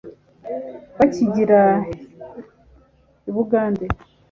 bakigira i bugande